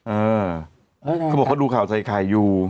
เออเขาบอกว่าดูข่าวใส่ขายอยู่